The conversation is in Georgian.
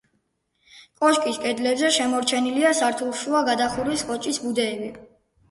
კოშკის კედლებზე შემორჩენილია სართულშუა გადახურვის კოჭის ბუდეები.